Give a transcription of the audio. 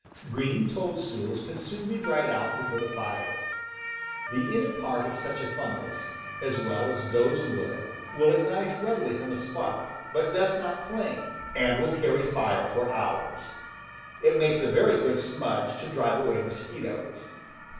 Green toadstools can soon be dried out before the fire. The inner part of such a fungus, as well as dozed wood, will ignite readily from a spark, but does not flame, and will carry THE CAMP FIRE 89 fire for hours. It makes a very good smudge to drive away mosquitoes.